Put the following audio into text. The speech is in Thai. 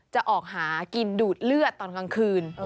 จะออกหากินดูดเลือดตอนกลางคืน